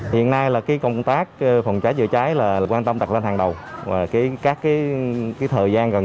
hiện nay là cái công tác phòng cháy chữa cháy là quan tâm tật lên hàng đầu và các cái thời gian gần